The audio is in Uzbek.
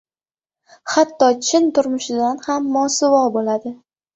hatto chin turmushidan ham mosuvo bo‘ladi.